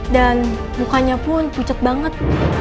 dan mukanya pun pucat banget